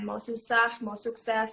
mau susah mau sukses